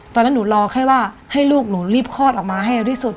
ตอนนั้นหนูรอแค่ว่าให้ลูกหนูรีบคลอดออกมาให้เร็วที่สุด